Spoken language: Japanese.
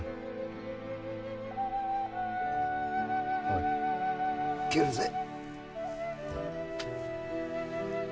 おい帰るぜ。